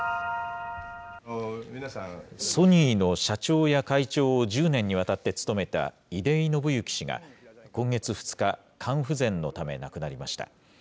ソニーの社長や会長を１０年にわたって務めた出井伸之氏が、今月２日、肝不全のため亡くなりました。